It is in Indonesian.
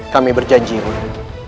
kami berjanji bunda